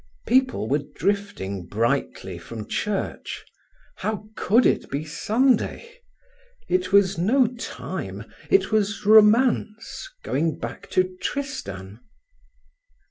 People were drifting brightly from church. How could it be Sunday! It was no time; it was Romance, going back to Tristan.